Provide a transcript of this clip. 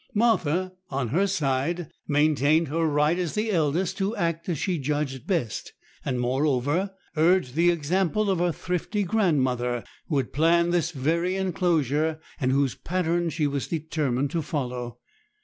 Martha, on her side, maintained her right as the eldest to act as she judged best; and, moreover, urged the example of her thrifty grandmother, who had planned this very enclosure, and whose pattern she was determined to follow.